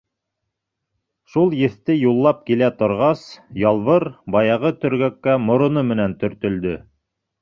Шул еҫте юллап килә торғас, Ялбыр баяғы төргәккә мороно менән төртөлдө.